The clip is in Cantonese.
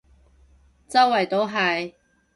周圍都係